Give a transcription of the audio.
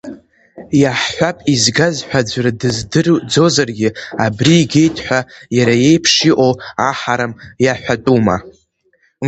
Иаҳҳәап, изгаз ҳәа ӡәыр дыздырӡозаргьы, абри игеит ҳәа иара иеиԥш иҟоу аҳарам иаҳәатәума?